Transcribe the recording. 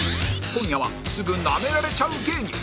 今夜はすぐナメられちゃう芸人